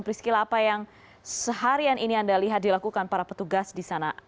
priscila apa yang seharian ini anda lihat dilakukan para petugas di sana